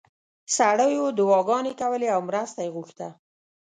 سړیو دعاګانې کولې او مرسته یې غوښته.